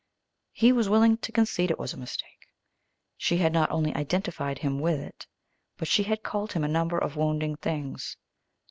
He was willing to concede it was a mistake. She had not only identified him with it, but she had called him a number of wounding things.